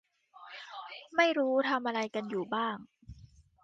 ไม่รู้ทำอะไรกันอยู่บ้าง